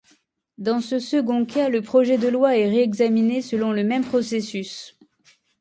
Dans ce second cas, le projet de loi est réexaminé selon le même processus.